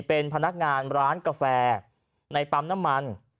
เป็นพนักงานร้านกาแฟในปั๊มน้ำมัน